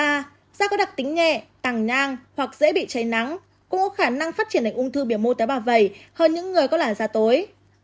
da có đặc tính nghẹ tàng nhang hoặc dễ bị cháy nắng cũng có khả năng phát triển ảnh ung thư biểu mô tế bảo vẩy hơn những người có làn da tối